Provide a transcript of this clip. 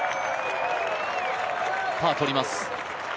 パー取ります。